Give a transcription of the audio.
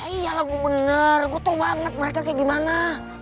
iya lagu bener gue tau banget mereka kayak gimana